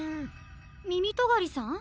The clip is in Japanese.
みみとがりさん？